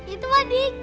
itu mah dikit